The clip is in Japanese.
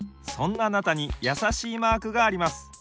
そんなあなたにやさしいマークがあります。